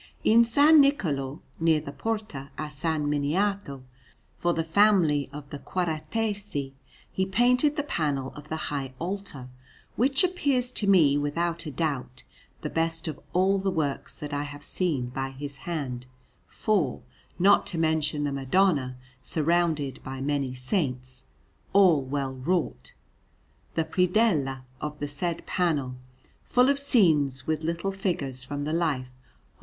In S. Niccolò, near the Porta a S. Miniato, for the family of the Quaratesi, he painted the panel of the high altar, which appears to me without a doubt the best of all the works that I have seen by his hand, for, not to mention the Madonna surrounded by many saints, all well wrought, the predella of the said panel, full of scenes with little figures from the life of S.